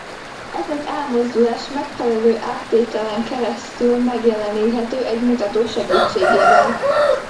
Ez az elmozdulás megfelelő áttételen keresztül megjeleníthető egy mutató segítségével.